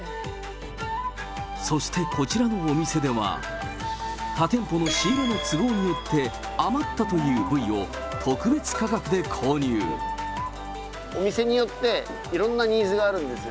そして、こちらのお店では、他店舗の仕入れの都合によって余ったという部位を、特別価格で購お店によって、いろんなニーズがあるんですよ。